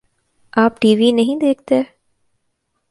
آ پ T V نہیں دیکھتے؟